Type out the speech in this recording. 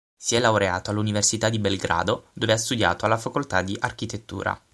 Si è laureato all'Università di Belgrado, dove ha studiato alla Facoltà di Architettura.